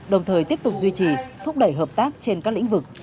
đồng thời tiếp tục duy trì thúc đẩy hợp tác trên các lĩnh vực